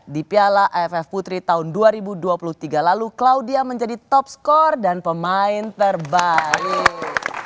di piala aff putri tahun dua ribu dua puluh tiga lalu claudia menjadi top skor dan pemain terbaik